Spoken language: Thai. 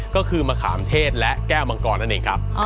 ก็คือมะขามเทศและแก้วมังกรนั่นเองครับ